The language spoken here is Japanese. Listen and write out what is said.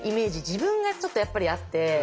自分がちょっとやっぱりあって。